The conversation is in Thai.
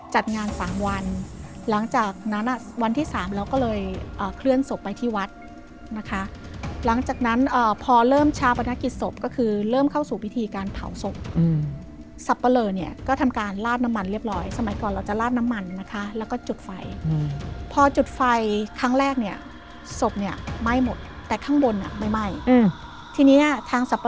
จัดงานสามวันหลังจากนั้นอ่ะวันที่สามเราก็เลยเคลื่อนศพไปที่วัดนะคะหลังจากนั้นพอเริ่มชาปนกิจศพก็คือเริ่มเข้าสู่พิธีการเผาศพสับปะเลอเนี่ยก็ทำการลาดน้ำมันเรียบร้อยสมัยก่อนเราจะลาดน้ำมันนะคะแล้วก็จุดไฟพอจุดไฟครั้งแรกเนี่ยศพเนี่ยไหม้หมดแต่ข้างบนอ่ะไม่ไหม้อืมทีเนี้ยทางส